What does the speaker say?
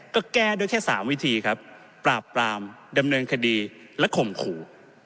ก็แก้ด้วยแค่๓วิธีครับปราบปรามดำเนินคดีและข่มขู่